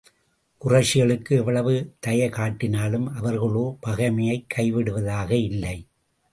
குறைஷிகளுக்கு எவ்வளவு தயை காட்டினாலும், அவர்களோ பகைமையைக் கை விடுவதாக இல்லை.